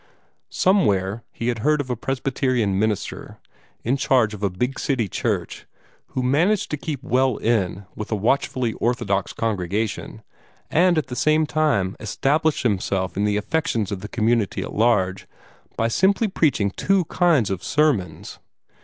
Somewhere he had heard of a Presbyterian minister, in charge of a big city church, who managed to keep well in with a watchfully Orthodox congregation, and at the same time establish himself in the affections of the community at large, by simply preaching two kinds of sermons.